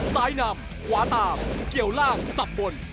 นำขวาตามเกี่ยวล่างสักบน